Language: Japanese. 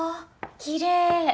きれい！